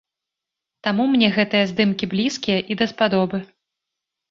Таму мне гэтыя здымкі блізкія і даспадобы.